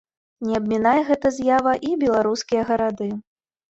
Не абмінае гэта з'ява і беларускія гарады.